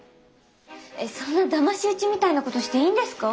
そんなだまし討ちみたいなことしていいんですか？